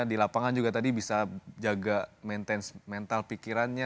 di lapangan juga tadi bisa jaga mental pikirannya